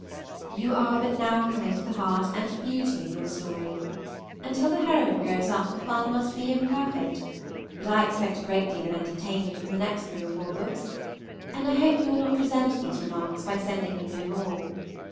You are but now coming to the heart and beauty of your story. Until the heroine grows up the fun must be imperfect, but I expect a great deal of entertainment from the next three or four books, and I hope you will not resent these remarks by sending me no more.